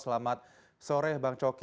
selamat sore bang coki